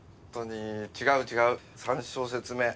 違う違う３小節目。